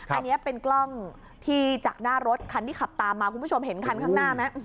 อันนี้เป็นกล้องที่จากหน้ารถคันที่ขับตามมาคุณผู้ชมเห็นคันข้างหน้าไหม